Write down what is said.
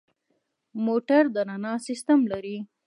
موټر د رڼا سیستم لري.